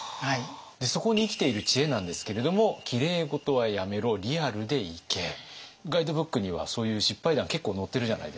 そこに生きている知恵なんですけれどもガイドブックにはそういう失敗談結構載ってるじゃないですか。